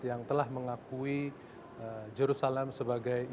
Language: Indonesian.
yang telah mengakui jerusalem sebagai